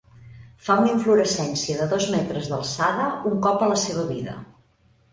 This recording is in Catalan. Fa una inflorescència de dos metres d'alçada un cop a la seva vida.